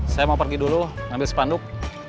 saya mau pergi dulu ngambil sepanduk